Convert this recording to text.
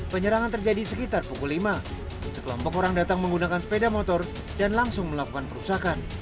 penyerangan terjadi sekitar pukul lima sekelompok orang datang menggunakan sepeda motor dan langsung melakukan perusakan